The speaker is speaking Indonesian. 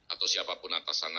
atau siapapun atas sana